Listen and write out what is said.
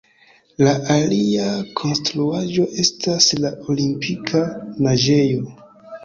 La alia konstruaĵo estas la Olimpika naĝejo.